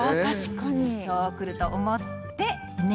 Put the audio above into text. そうくると思ってね